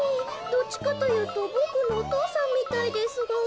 どっちかというとボクのお父さんみたいですが。